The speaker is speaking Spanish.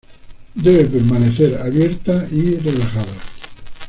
Debe permanecer abierta y relajada.